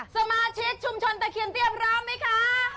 สมาชิกชุมชนตะเคียนเตี้ยพร้อมไหมคะ